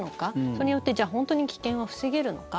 それによってじゃあ本当に危険は防げるのか。